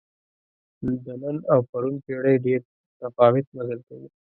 د نن او پرون پېړۍ ډېر متفاوت مزل کوي.